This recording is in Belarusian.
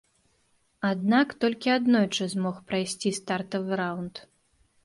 Аднак толькі аднойчы змог прайсці стартавы раўнд.